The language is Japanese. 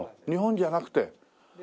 日本じゃなくて？